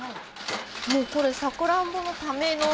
もうこれサクランボのための。